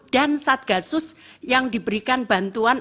dan satgasus yang diberikan bantuan